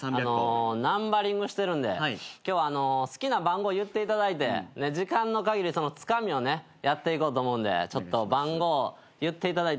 ナンバリングしてるんで今日好きな番号言っていただいて時間の限りつかみをやっていこうと思うんでちょっと番号言っていただいていいですか？